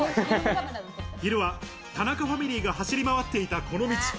昼は田中ファミリーが走り回っていたこの道。